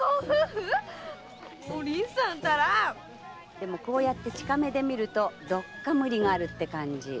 でもこうやって近目で見るとどっか無理があるって感じ。